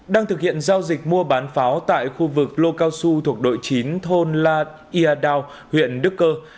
đang thực hiện giao dịch mua bán pháo tại khu vực lô cao su thuộc đội chín thôn la ia đao huyện đức cơ